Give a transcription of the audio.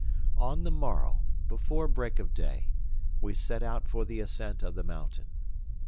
On the morrow, before break of day, we set out for the ascent of the mountain.